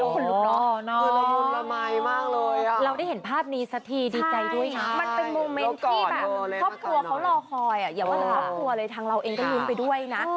ครอบครัวเลยทางเราเองก็ลุ้มไปด้วยนะ